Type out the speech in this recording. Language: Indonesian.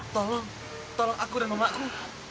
tolong tolong aku dan mamaku